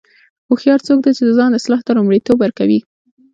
هوښیار څوک دی چې د ځان اصلاح ته لومړیتوب ورکوي.